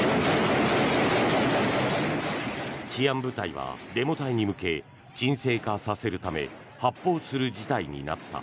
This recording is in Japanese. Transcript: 治安部隊はデモ隊に向け沈静化させるため発砲する事態になった。